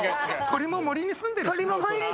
鳥も森にすんでるしね。